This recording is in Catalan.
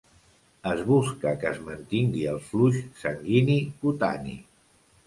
Es busca que es mantingui el flux sanguini cutani.